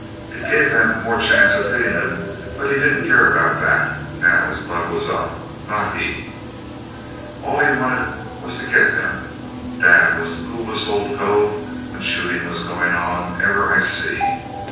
It gave them more chance of hitting him, but he didn't care about that, now his blood was up not he. All he wanted was to get them. Dad was the coolest old cove, when shooting was going on, ever I see.